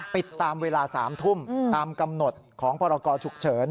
ติดตามเวลา๓ทุ่มตามกำหนดของพรกรฉุกเฉิน